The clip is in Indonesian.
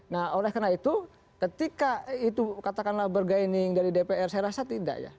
nah oleh karena itu ketika itu katakanlah bergaining dari dpr saya rasa tidak ya